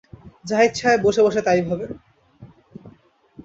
জাহিদ সাহেব বসেবসে তাই ভাবেন।